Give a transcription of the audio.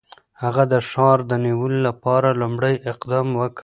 هغه د ښار د نیولو لپاره لومړی اقدام وکړ.